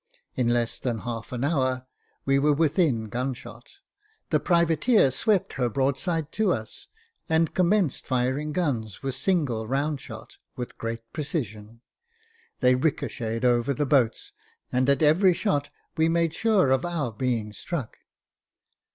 In less than half an hour we were within gun shot ; the privateer swept her broadside to us, and commenced firing guns with single round shot, and with great precision. They ricochetted over the boats, and at every shot, we made sure of our being struck.